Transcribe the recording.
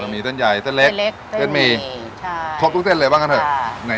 มีเส้นใหญ่เส้นเล็กเส้นหมี่ครบทุกเส้นเลยบ้างกันเถอะ